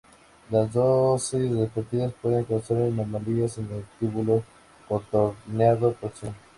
Las dosis repetidas puede causar anomalías en el túbulo contorneado proximal.